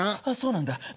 あっそうなんだ。